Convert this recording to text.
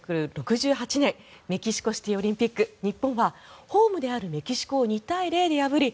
１９６８年メキシコシティオリンピック日本はホームであるメキシコを２対０で破り